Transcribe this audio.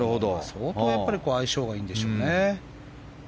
相当、相性がいいんでしょうね。